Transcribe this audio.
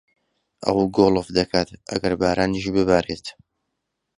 ئەو گۆڵف دەکات ئەگەر بارانیش ببارێت.